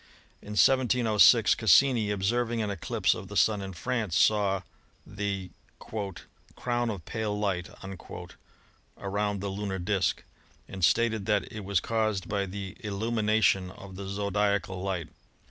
In 1706 Cassini, observing an eclipse of the Sun in France, saw the "crown of pale light" around the lunar disk, and stated that it was caused by the illumi nation of the zodiacal light.